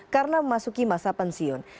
karena memasuki masa pensiun